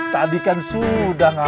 tadi kan sudah ngamen